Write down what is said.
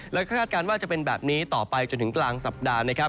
และคาดการณ์ว่าจะเป็นแบบนี้ต่อไปจนถึงกลางสัปดาห์นะครับ